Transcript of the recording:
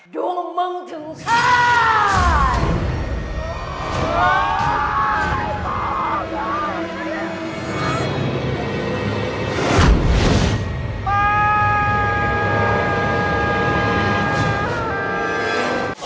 ดวงมึงถึงข้าย